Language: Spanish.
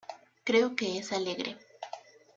Creo que es alegre.